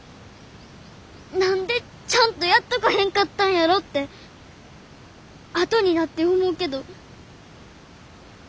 何でちゃんとやっとかへんかったんやろってあとになって思うけど。